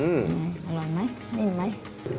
ไหมอร่อยไหมนิ่มไหม